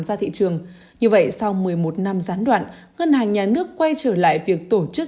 ra thị trường như vậy sau một mươi một năm gián đoạn ngân hàng nhà nước quay trở lại việc tổ chức